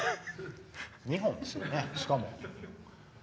２本ですよね、しかも。